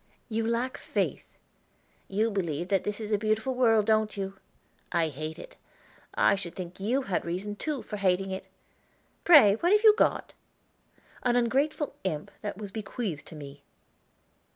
"You lack faith." "You believe that this is a beautiful world, don't you? I hate it. I should think you had reason, too, for hating it. Pray what have you got?" "An ungrateful imp that was bequeathed to me."